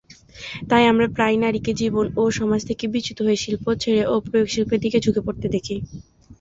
তাই আমরা প্রায়ই নারীকে জীবন এবং সমাজ থেকে বিচ্যুত হয়ে শিল্প ছেড়ে এবং প্রয়োগ শিল্পের দিকে ঝুঁকে পড়তে দেখি।